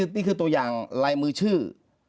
นี่คือตัวอย่างลายมือชื่อ